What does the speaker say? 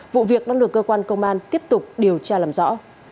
vụ việc đang được cơ quan công an tiếp tục điều tra làm rõ